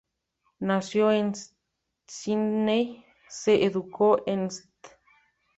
Nacido en Sídney, se educó en el St.